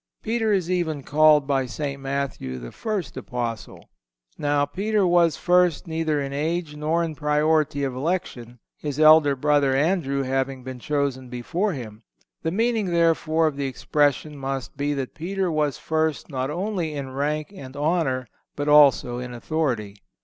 (159) Peter is even called by St. Matthew the first Apostle. Now Peter was first neither in age nor in priority of election, his elder brother Andrew having been chosen before him. The meaning, therefore, of the expression must be that Peter was first not only in rank and honor, but also in authority.